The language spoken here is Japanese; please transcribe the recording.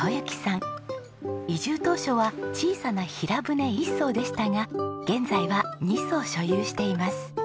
移住当初は小さな平船１艘でしたが現在は２艘所有しています。